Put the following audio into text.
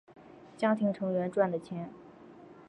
家庭成员赚的钱